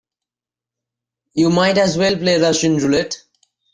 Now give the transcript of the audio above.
You might as well play Russian roulette.